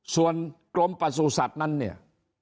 ส่วนกลมประสูจน์สัตว์นั้นเนี่ย